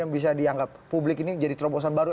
yang bisa dianggap publik ini jadi terobosan baru